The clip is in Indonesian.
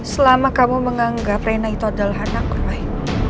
selama kamu menganggap reina itu adalah anak roy